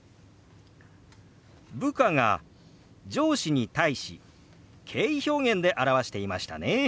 部下が上司に対し敬意表現で表していましたね。